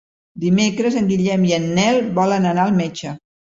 Dimecres en Guillem i en Nel volen anar al metge.